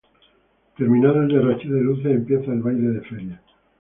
Terminado el derroche de luces, empieza el baile de feria.